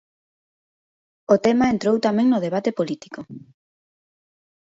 O tema entrou tamén no debate político.